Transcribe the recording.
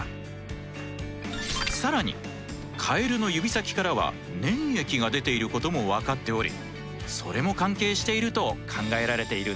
更にカエルの指先からは粘液が出ていることもわかっておりそれも関係していると考えられているんだ。